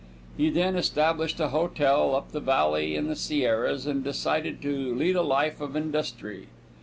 He then established a hotel up the valley in the Sierras, and decided to lead a life of industry.